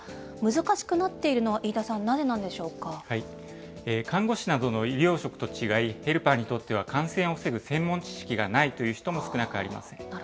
難しくなっているのは、飯看護師などの医療職と違い、ヘルパーにとっては感染を防ぐ専門知識がないという人も少なくありません。